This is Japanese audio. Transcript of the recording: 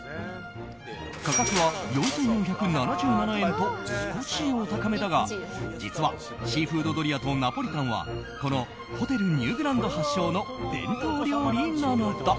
価格は４４７７円と少しお高めだが実はシーフードドリアとナポリタンはこのホテルニューグランド発祥の伝統料理なのだ。